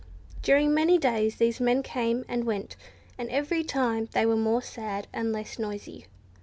During many days, these men came and went, and every time they were more sad, and less noisy.